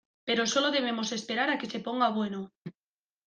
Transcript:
pero solo debemos esperar a que se ponga bueno.